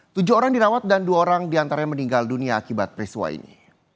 tujuh orang dirawat dan dua orang diantaranya meninggal dunia akibat peristiwa ini